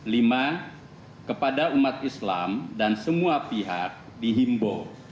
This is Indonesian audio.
lima kepada umat islam dan semua pihak dihimbau